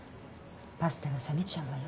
パスタが冷めちゃうわよ。